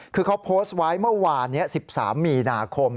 คือเขาโพสต์ไว้เมื่อวานนี้๑๓มีนาคม